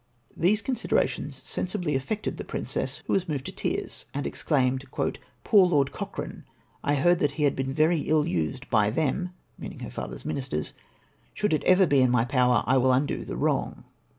These considerations sensibly affected the princess, who was moved to tears, and exclaimed :" Poor Lord Cochrane ! I heard that he had been very ill used BY THEM (meaning her father's ministers) ; should it EVER BE IN MY POAVER, I WILL UNDO THE WRONG."